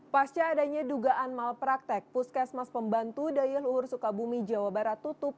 pasca adanya dugaan malpraktek puskesmas pembantu daya luhur sukabumi jawa barat tutup